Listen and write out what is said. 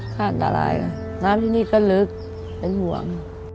ข้าวอันตรายน้ำที่นี่ก็ลึกเป็นห่วง